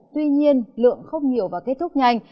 tuy nhiên lượng không nhiều và kết thúc nhanh